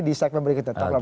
di segmen berikutnya